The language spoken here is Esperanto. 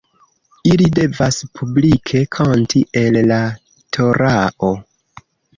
Ili devas publike kanti el la torao.